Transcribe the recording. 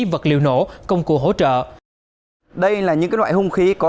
vật liệu nổ công cụ hỗ trợ